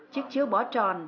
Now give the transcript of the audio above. chiếc chiếu bó tròn